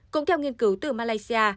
cũng theo nghiên cứu từ malaysia